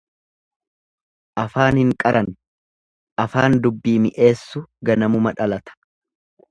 Afaan hin qaran, afaan dubbii mi'eessu ganamuma dhalata.